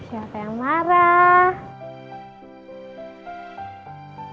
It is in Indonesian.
siapa yang marah